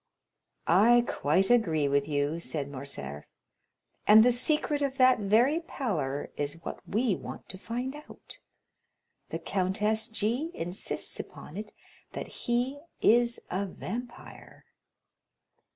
"I quite agree with you," said Morcerf; "and the secret of that very pallor is what we want to find out. The Countess G—— insists upon it that he is a vampire."